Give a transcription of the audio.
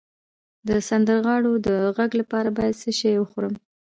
د سندرغاړو د غږ لپاره باید څه شی وخورم؟